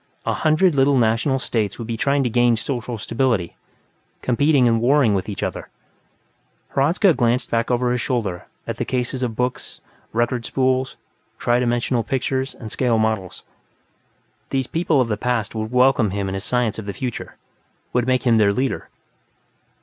A hundred little national states would be trying to regain social stability, competing and warring with one another. Hradzka glanced back over his shoulder at the cases of books, record spools, tri dimensional pictures, and scale models. These people of the past would welcome him and his science of the future, would make him their leader.